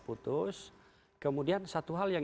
putus kemudian satu hal yang